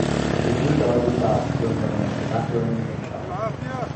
The new Darly shop became known as "the Macaroni Print-Shop".